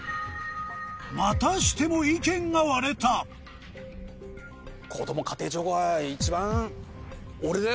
またしても意見が割れた「こども家庭庁」が一番。